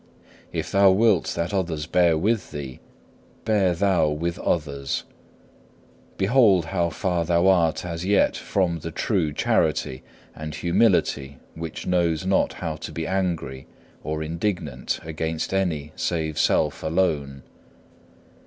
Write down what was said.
If thou wilt that others bear with thee, bear thou with others. Behold how far thou art as yet from the true charity and humility which knows not how to be angry or indignant against any save self alone.